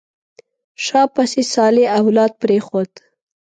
شا پسې صالح اولاد پرېښود.